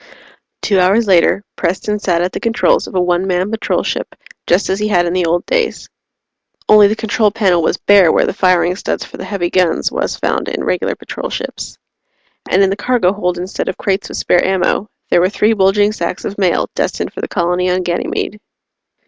Two hours later, Preston sat at the controls of a one man patrol ship just as he had in the old days. Only the control panel was bare where the firing studs for the heavy guns was found in regular patrol ships. And in the cargo hold instead of crates of spare ammo there were three bulging sacks of mail destined for the colony on Ganymede.